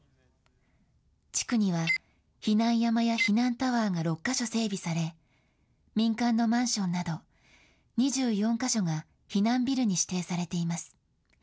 地区には、避難山や避難タワーが６か所整備され、民間のマンションなど、２４か所が避難ビルに指定されています。